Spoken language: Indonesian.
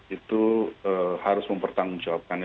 itu harus mempertanggungjawabkannya